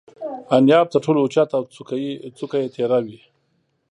انیاب تر ټولو اوچت او څوکه یې تیره وي.